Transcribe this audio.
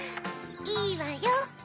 いいわよ。